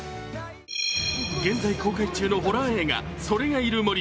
現在公開中のホラー映画「“それ”がいる森」。